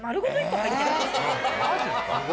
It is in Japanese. ・マジですか？